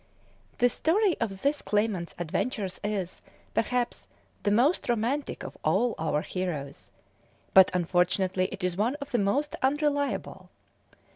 The story of this claimant's adventures is, perhaps, the most romantic of all our heroes, but unfortunately it is one of the most unreliable.